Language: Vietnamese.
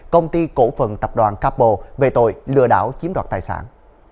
công ty cổ phần tập đoàn capo về tội lừa đảo chiếm đoạt tài sản